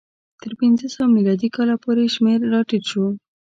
تر پنځه سوه میلادي کاله پورې شمېر راټیټ شو.